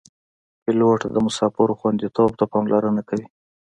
پیلوټ د مسافرو خوندیتوب ته پاملرنه کوي.